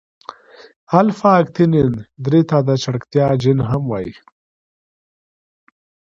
الفا اکتینین درې ته د چټکتیا جین هم وايي.